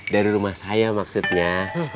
dari rumah saya maksudnya